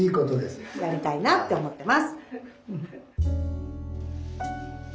やりたいなって思ってます！